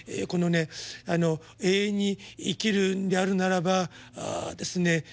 このね永遠に生きるんであるならばですね